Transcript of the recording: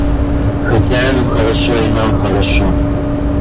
Хозяину хорошо, и нам хорошо.